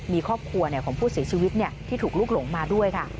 มีครอบครัวของผู้เสียชีวิตที่ถูกลุกหลงมาด้วยค่ะ